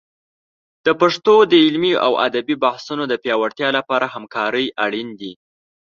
د پښتو د علمي او ادبي بحثونو د پیاوړتیا لپاره همکارۍ اړین دي.